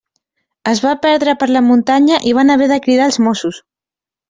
Es va perdre per la muntanya i van haver de cridar els Mossos.